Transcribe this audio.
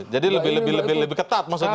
jadi lebih lebih ketat maksudnya